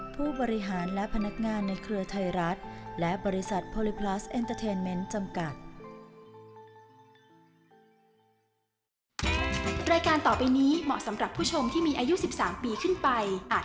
ผู้บริหารและพนักงานในเครือไทยรัฐและบริษัทโพลิพลัสเอ็นเตอร์เทนเมนต์จำกัด